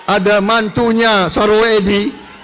ada mantunya saruwedi